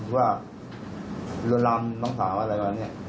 ถือว่ารวดลามน้องสาวอะไรประมาณนี้